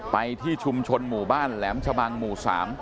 ไปที่ชุมชนหมู่บ้านแหลมชะบังหมู่๓